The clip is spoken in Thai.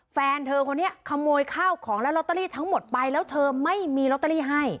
แฟนเธอคนนี้ขโมยข้าวของและลอตเตอรี่ทั้งหมดไปแล้วเธอไม่มีลอตเตอรี่ให้